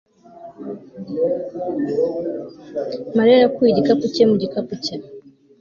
Mariya yakuye igikapu cye mu gikapu cye